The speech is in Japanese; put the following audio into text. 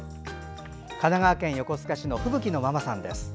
神奈川県横須賀市のふぶきのママさんです。